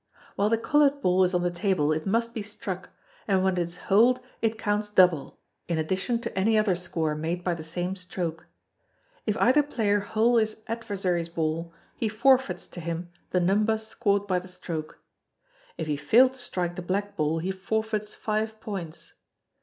While the coloured ball is on the table, it must be struck, and when it is holed it counts double, in addition to any other score made by the same stroke. If either player hole his adversary's ball he forfeits to him the number scored by the stroke. If he fail to strike the black ball he forfeits five points.